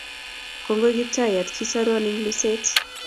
Kongoi Kiptaiyat kisarwon eng' luset.